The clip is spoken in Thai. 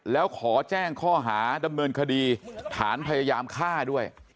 แล้วขอแจ้งข้อหาดำเนินคดีฐานพยายามฆ่าด้วย